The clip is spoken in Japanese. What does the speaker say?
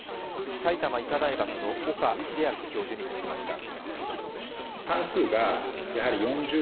埼玉医科大学の岡秀昭教授に聞きました。